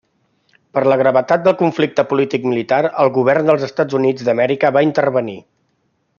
Per la gravetat del conflicte polític-militar, el govern dels Estats Units d'Amèrica va intervenir.